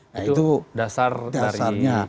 nah itu dasarnya